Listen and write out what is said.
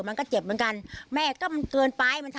ประชดปล่อยมันซะปล่อยมันซะ